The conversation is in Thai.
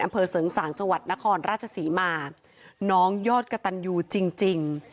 อำเภอเสริงสางจังหวัดนครราชศรีมาน้องยอดกระตันยูจริงจริง